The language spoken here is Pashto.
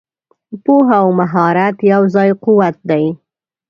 پوهه او مهارت یو ځای قوت دی.